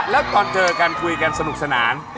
แล้วตอนเจอกันคุยกันสนุกสนาน